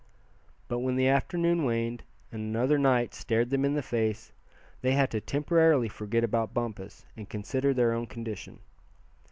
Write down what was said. But when the afternoon waned, and another night stared them in the face, they had to temporarily forget about Bumpus, and consider their own condition.